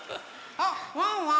あっワンワン。